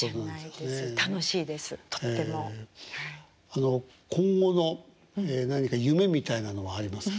あの今後の何か夢みたいなのはありますか？